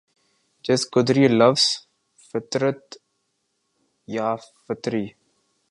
جس قدر یہ لفظ فطرت یا فطری